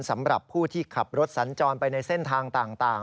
สำหรับผู้ที่ขับรถสัญจรไปในเส้นทางต่าง